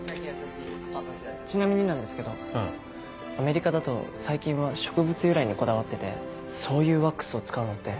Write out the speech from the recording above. アメリカだと最近は植物由来にこだわっててそういうワックスを使うのって。